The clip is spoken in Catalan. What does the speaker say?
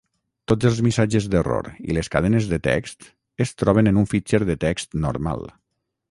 Tots els missatges d'error i les cadenes de text es troben en un fitxer de text normal.